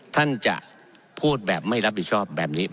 ท่านจะพูดแบบไม่รับผิดชอบแบบนี้